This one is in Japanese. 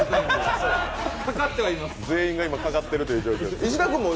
全員が今かかっているという状況で。